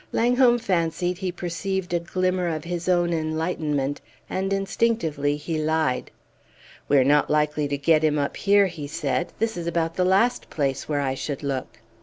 Langholm fancied he perceived a glimmer of his own enlightenment, and instinctively he lied. "We are not likely to get him up here," he said. "This is about the last place where I should look!"